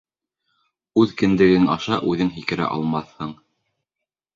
Үҙ кендегең аша үҙең һикерә алмаҫһың.